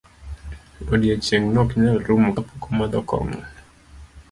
Odiochieng' nok nyal rumo kapok omadho kong'o.